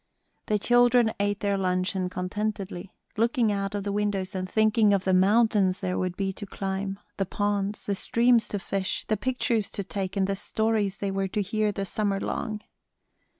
The children ate their luncheon contentedly, looking out of the windows and thinking of the mountains there would be to climb, the ponds, the streams to fish, the pictures to take, and the stories they were to hear the summer long.